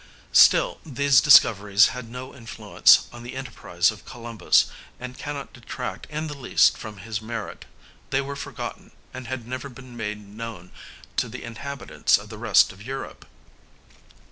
Still these discoveries had no influence on the enterprise of Columbus, and cannot detract in the least from his merit; they were forgotten, and had never been made known to the inhabitants of the rest of Europe.